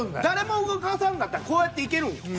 誰も動かさんかったらこうやって行けるんよ。